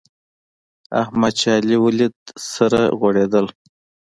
احمد چې علي وليد؛ سره غوړېدل.